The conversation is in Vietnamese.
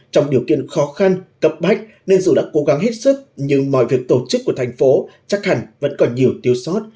trong điều kiện khó khăn cấp bách nên dù đã cố gắng hết sức nhưng mọi việc tổ chức của thành phố chắc hẳn vẫn còn nhiều thiếu sót